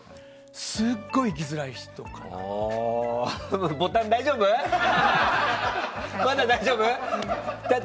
すごい生きづらい人かなって。